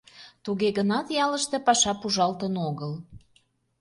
Туге гынат ялыште паша пужалтын огыл.